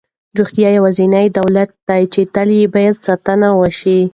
روغتیا یوازینی دولت دی چې باید تل یې ساتنه وشي.